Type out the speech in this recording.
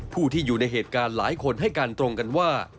ผู้ที่อยู่ในเหตุการณ์หลายคนให้การตรงกันว่า